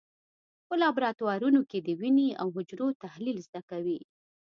په لابراتوارونو کې د وینې او حجرو تحلیل زده کوي.